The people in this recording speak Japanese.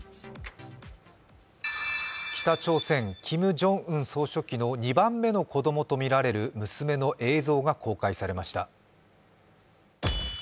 北朝鮮、キム・ジョンウン総書記の２番目の子供とみられる娘の映像が公開されました。